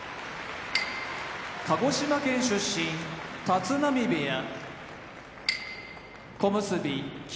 鹿児島県出身立浪部屋小結・霧